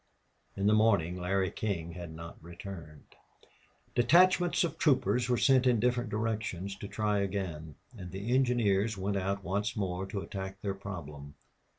In the morning Larry King had not returned. Detachments of troopers were sent in different directions to try again. And the engineers went out once more to attack their problem.